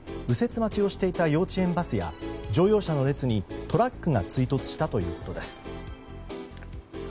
右折待ちをしていた幼稚園バスや乗用車の列にトラックが追突したということです。